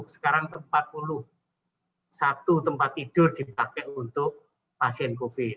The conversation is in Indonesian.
sekarang empat puluh satu tempat tidur dipakai untuk pasien covid